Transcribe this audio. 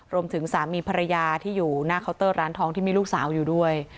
รวมถึงสามีภรรยาที่อยู่หน้าเคาน์เตอร์ร้านทองที่มีลูกสาวอยู่ด้วย